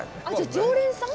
常連さん？